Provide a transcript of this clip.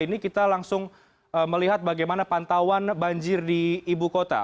ini kita langsung melihat bagaimana pantauan banjir di ibu kota